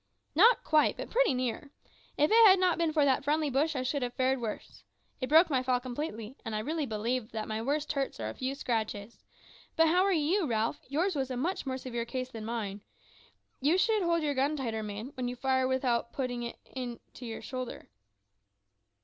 "Not quite, but pretty near. If it had not been for that friendly bush I should have fared worse. It broke my fall completely, and I really believe that my worst hurts are a few scratches. But how are you, Ralph? Yours was a much more severe case than mine. You should hold your gun tighter, man, when you fire without putting it to your shoulder."